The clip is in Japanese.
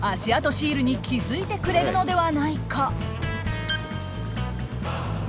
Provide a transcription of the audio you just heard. シールに気付いてくれるのではないか。